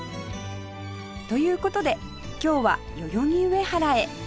という事で今日は代々木上原へ